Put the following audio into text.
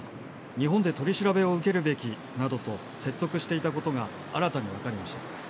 日本で取り調べを受けるべきなどと説得していたことが新たに分かりました。